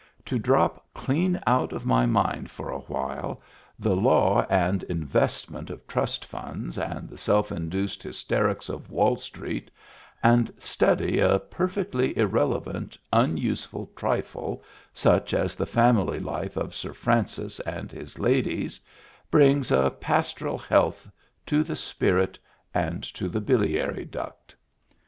To drop clean out of my mind for a while the law and Digitized by Google 296 MEMBERS OF THE FAMILY investment of trust funds and the self induced hysterics of Wall Street, and study a perfectly irrelevant, unuseful trifle, such as the family life of Sir Francis and his ladies, brings a pastoral health to the spirit and to the biliary duct.